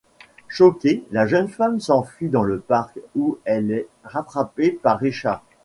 Choquée la jeune femme s'enfuit dans le parc où elle est rattrapée par Richard.